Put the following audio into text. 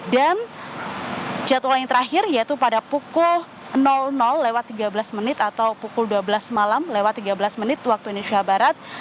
dan jadwal yang terakhir yaitu pada pukul lewat tiga belas menit atau pukul dua belas malam lewat tiga belas menit waktu indonesia barat